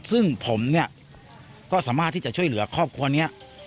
ซึ่งผมเนี่ยก็สามารถที่จะช่วยเหลือครอบครัวนี้